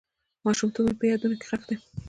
ماشومتوب مې په یادونو کې ښخ دی.